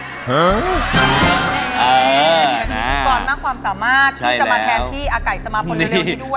ตอนนี้คุณก้อนน่ากว่าความสามารถที่จะมาแทนที่อาไกยไปสมาธุยเร็วด้วยนะคะ